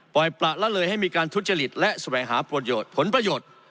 ปล่อยประละเลยให้มีการทุจจริตและสวายหาผลประโยชน์